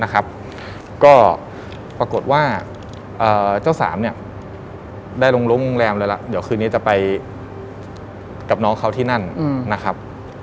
ก็ปรากฏว่าเจ้าสามได้ลงรุ้งโรงแรมเลยแล้วเดี๋ยวคืนนี้จะไปกับน้องเขาที่นั่นนะครับ